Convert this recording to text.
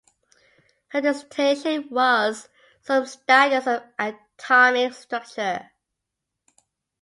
Her dissertation was "Some Studies of Atomic Structure".